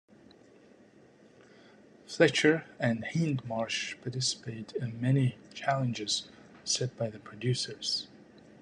Fletcher and Hindmarsh participate in many challenges set by the producers.